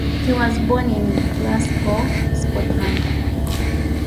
He was born in Glasgow, Scotland.